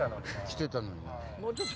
来てたのに。